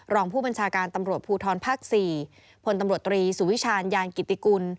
รองผู้บัญชาการตำรวจภูทรภาค๔พลตำรวจตรีสุวิชาญยานกิติกุล